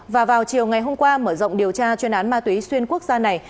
và vào chiều ngày hôm qua mở rộng điều tra chuyên án ma túy xuyên quốc gia này